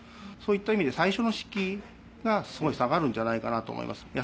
そういった意味で最初の敷居がすごい下がるんじゃないかなと思います。